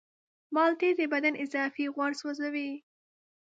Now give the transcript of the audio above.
مالټې د بدن اضافي غوړ سوځوي.